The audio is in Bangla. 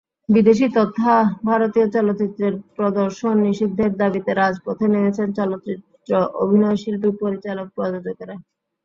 বিদেশি তথা ভারতীয় চলচ্চিত্রের প্রদর্শন নিষিদ্ধের দাবিতে রাজপথে নেমেছেন চলচ্চিত্র অভিনয়শিল্পী, পরিচালক, প্রযোজকেরা।